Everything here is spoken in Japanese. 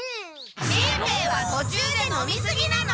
しんべヱはとちゅうで飲みすぎなの！